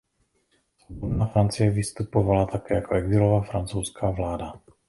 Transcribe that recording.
Svobodná Francie vystupovala také jako exilová francouzská vláda.